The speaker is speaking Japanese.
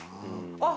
あっ！